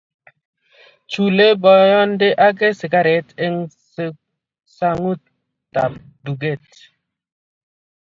chule boyonde age sikaret eng' sang'utab duket